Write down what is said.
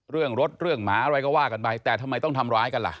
เรื่องรถเรื่องหมาอะไรก็ว่ากันไปแต่ทำไมต้องทำร้ายกันล่ะ